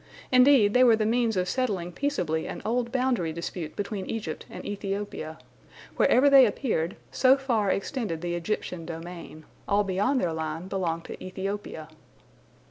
Indeed, they were the means of settling peaceably an old boundary dispute between Egypt and Ethiopia. Wherever they appeared, so far extended the Egyptian domain; all beyond their line belonged to Ethiopia.